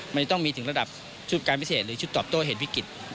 มันจะต้องมีถึงระดับชุดการพิเศษหรือชุดตอบโต้เหตุวิกฤต